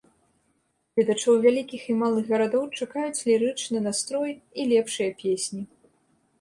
Гледачоў вялікіх і малых гарадоў чакаюць лірычны настрой і лепшыя песні.